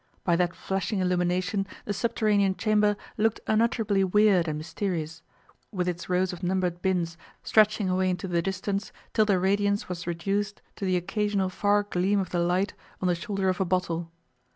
By that flashing illumination the subterranean chamber looked unutterably weird and mysterious, with its rows of numbered bins, stretching away into the distance till the radiance was reduced to the occasional far gleam of the light on the shoulder of a bottle.